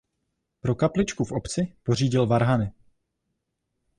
Pro kapličku v obci pořídil varhany.